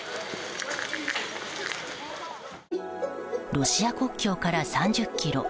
ロシア国境から３０ｋｍ。